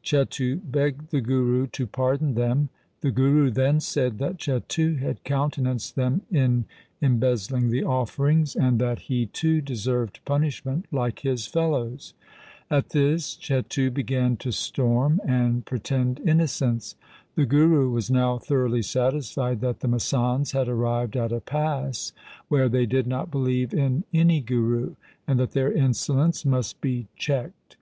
Chetu begged the Guru to pardon them. The Guru then said that Chetu had countenanced them in embezzling the offerings, and that he too deserved punishment like his fellows. At this Chetu began to storm and pretend innocence. The Guru was now thoroughly satisfied that the masands had arrived at a pass where they did not believe in any Guru, and that their insolence must be checked.